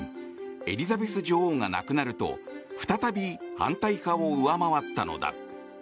エリザベス女王が亡くなると再び反対派を上回ったのだ。